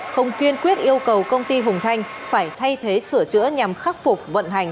không kiên quyết yêu cầu công ty hùng thanh phải thay thế sửa chữa nhằm khắc phục vận hành